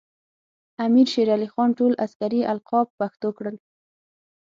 امیر شیر علی خان ټول عسکري القاب پښتو کړل.